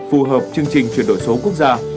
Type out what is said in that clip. phù hợp chương trình chuyển đổi số quốc gia